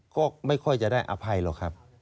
ก็ไม่ค่อยจะได้อภัยหรอกครับ